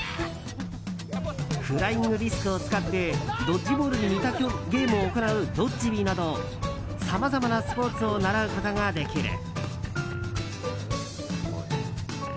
フライングリスクを使ってドッジボールに似たゲームを行うドッヂビーなどさまざまなスポーツを習うことができる。